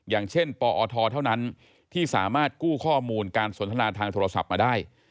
อย่างเช่นปอทเท่านั้นที่สามารถกู้ข้อมูลการสนทนาทางโทรศัพท์มาได้